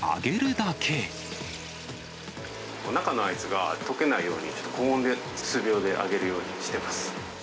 中のアイスが溶けないように、高温で数秒で揚げるようにしています。